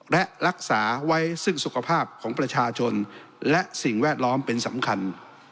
และรักษาไว้ซึ่งสุขภาพของประชาชนและสิ่งแวดล้อมเป็นสำคัญ